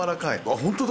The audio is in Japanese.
本当だ。